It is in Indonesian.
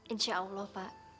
insya allah pak